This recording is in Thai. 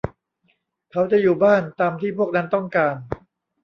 เขาจะอยู่บ้าน ตามที่พวกนั้นต้องการ